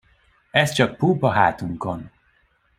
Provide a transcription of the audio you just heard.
Ez csak púp a hátunkon.